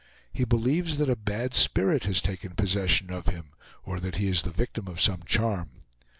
He believes that a bad spirit has taken possession of him, or that he is the victim of some charm.